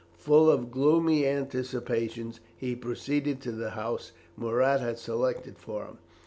Full of gloomy anticipations he proceeded to the house Murat had selected for him.